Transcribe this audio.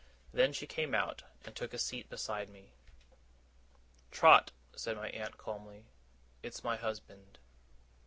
Then she came out, and took a seat beside me. 'Trot,' said my aunt, calmly, 'it's my husband.